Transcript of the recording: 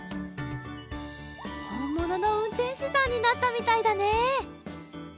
ほんもののうんてんしさんになったみたいだね